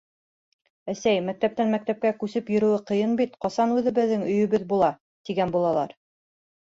Әсәй, мәктәптән мәктәпкә күсеп йөрөүе ҡыйын бит, ҡасан үҙебеҙҙең өйөбөҙ була, тигән булалар...